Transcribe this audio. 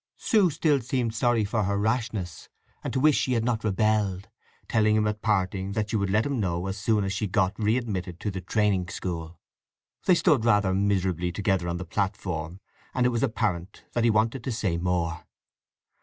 Sue still seemed sorry for her rashness, and to wish she had not rebelled; telling him at parting that she would let him know as soon as she got re admitted to the training school. They stood rather miserably together on the platform; and it was apparent that he wanted to say more.